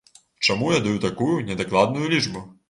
Чаму я даю такую недакладную лічбу?